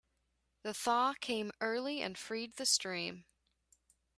The thaw came early and freed the stream.